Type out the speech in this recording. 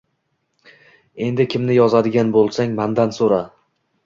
Endi kimni yozadigan bo`lsang, mandan so`ra